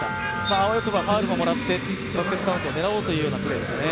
あわよくばファウルももらってバスケットカウントを狙おうというところでした。